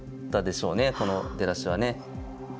この出だしはね。